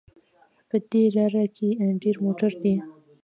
په دې لاره کې ډېر موټر دي